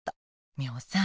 ミホさん。